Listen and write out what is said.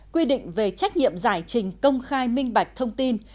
quy định về trách nhiệm giải trình công khai minh bạch thông tin